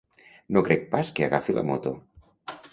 No crec pas que agafi la moto.